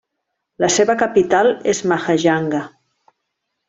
La seva capital és Mahajanga.